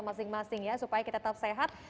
masing masing ya supaya kita tetap sehat